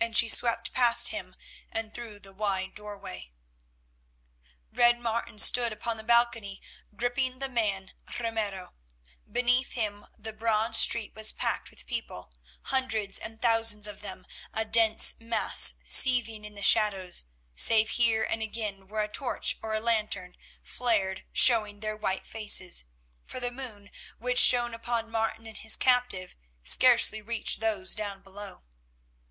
And she swept past him and through the wide doorway. Red Martin stood upon the balcony gripping the man Ramiro. Beneath him the broad street was packed with people, hundreds and thousands of them, a dense mass seething in the shadows, save here and again where a torch or a lantern flared showing their white faces, for the moon, which shone upon Martin and his captive, scarcely reached those down below.